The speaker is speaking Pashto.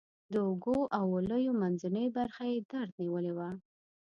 د اوږو او ولیو منځنۍ برخه یې درد نیولې وه.